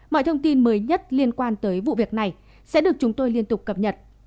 mọi thông tin mới nhất liên quan tới vụ việc này sẽ được chúng tôi liên tục cập nhật